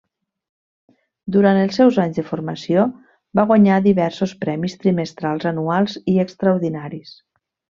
Durant els seus anys de formació va guanyar diversos premis trimestrals, anuals i extraordinaris.